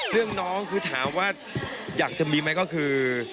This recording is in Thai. เรื่องน้องคือถามว่าอยากจะมีไหมก็คือ